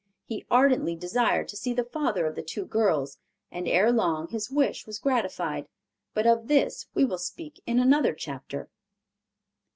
He ardently desired to see the father of the two girls, and ere long his wish was gratified. But of this we will speak in another chapter.